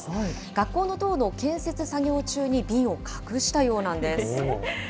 学校の塔の建設作業中に瓶を隠したようなんです。